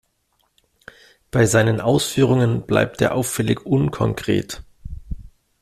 Bei seinen Ausführungen bleibt er auffällig unkonkret.